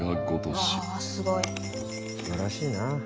すばらしいな。